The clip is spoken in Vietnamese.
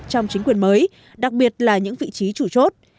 trong chính quyền mới đặc biệt là những vị trí chủ chốt